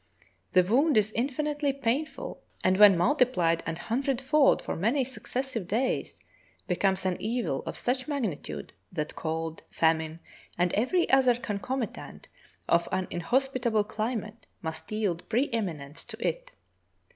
The wound is infinitely painful, and when multiplied an hundred fold for many succes sive days becomes an evil of such magnitude that cold, famine, and every other concomitant of an inhospitable climate mxust yield pre eminence to it.